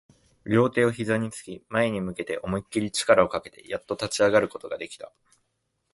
両手を膝に置き、前に向けて思いっきり力をかけて、やっと立ち上がることができた